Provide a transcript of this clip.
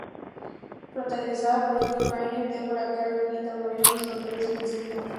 Protagonizada por Yul Brynner, Deborah Kerr y Rita Moreno en los papeles principales.